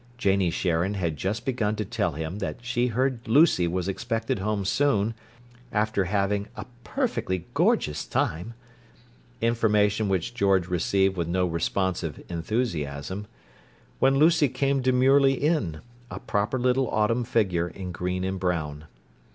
Janie Sharon had just begun to tell him that she heard Lucy was expected home soon, after having "a perfectly gorgeous time"—information which George received with no responsive enthusiasm—when Lucy came demurely in, a proper little autumn figure in green and brown.